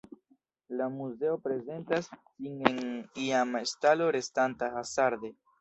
La muzeo prezentas sin en iama stalo restanta hazarde.